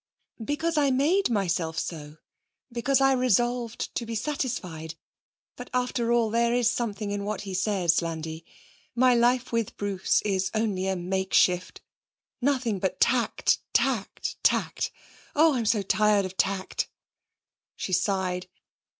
'Because I made myself so; because I resolved to be satisfied. But, after all, there's something in what he says, Landi. My life with Bruce is only a makeshift. Nothing but tact, tact, tact. Oh, I'm so tired of tact!' She sighed.